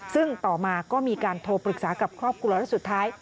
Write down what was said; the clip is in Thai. ซึ่งต่อมาก็มีการโทรปรึกษากับครอบครัวและสุดท้าย